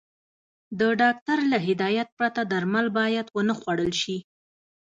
د ډاکټر له هدايت پرته درمل بايد ونخوړل شي.